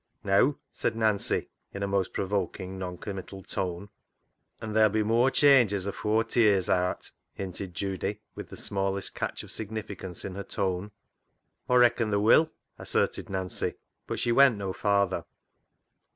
" Neaw," said Nancy in a most provoking non committal tone. " An' there'll be moar changes afoor t'year's aat," hinted Judy with the smallest catch of significance in her tone. " Aw reacon ther' will," asserted Nancy, but she went no farther.